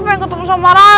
pengen ketemu sama raja